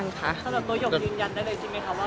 สำหรับตัวหยกยืนยันได้เลยใช่ไหมคะว่า